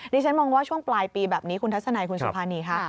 ดิฉันมองว่าช่วงปลายปีแบบนี้คุณทัศนัยคุณสุภานีค่ะ